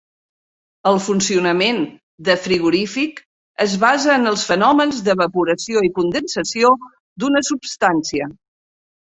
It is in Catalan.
El funcionament de frigorífic es basa en els fenòmens d'evaporació i condensació d'una substància.